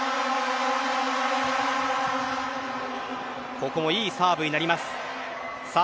ここもいいサーブになります。